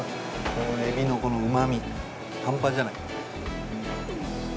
このエビのこのうまみ、半端じゃない！